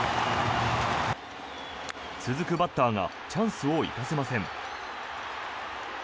続くバッターがチャンスを生かせません。